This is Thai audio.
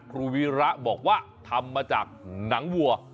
วีระบอกว่าทำมาจากหนังวัว